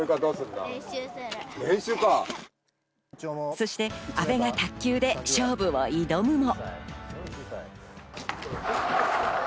そして阿部が卓球で勝負を挑むも。